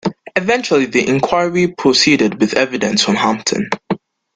Eventually the inquiry proceeded with evidence from Hampton.